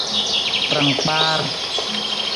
Rangkpaar.